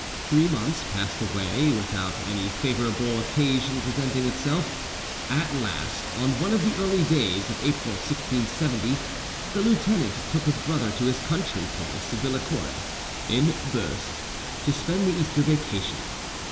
Three months passed without any favourable occasion presenting itself; at last, on one of the early days of April 1670, the lieutenant took his brother to his country place, Villequoy, in Beauce, to spend the Easter vacation.